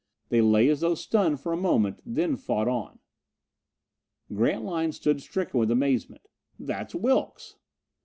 They lay as though stunned for a moment, then fought on. Grantline stood stricken with amazement. "That's Wilks!"